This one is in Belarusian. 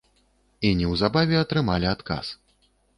І неўзабаве атрымалі адказ.